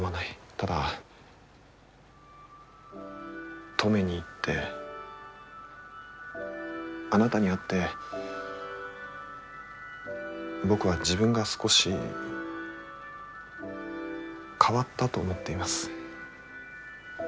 ただ登米に行ってあなたに会って僕は自分が少し変わったと思っています。